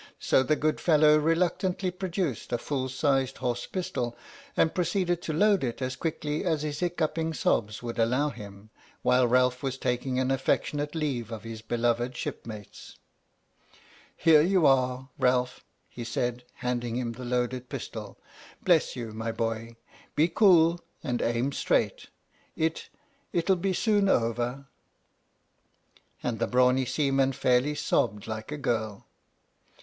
So the good fellow re luctantly produced a full sized horse pistol and pro ceeded to load it as quickly as his hiccupping sobs 67 H.M.S. "PINAFORE" would allow him, while Ralph was taking an affec tionate leave of his beloved ship mates. " Here you are, Ralph," he said, handing him the loaded pistol. " Bless you, my boy. Be cool and aim straight. It — it'll be soon over! " And the brawny seaman fairly sobbed like a girl.